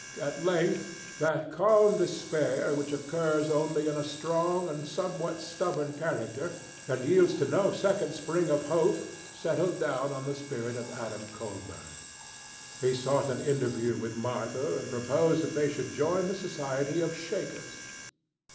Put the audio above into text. At length that calm despair which occurs only in a strong and somewhat stubborn character and yields to no second spring of hope settled down on the spirit of Adam Colburn. He sought an interview with Martha and proposed that they should join the Society of Shakers.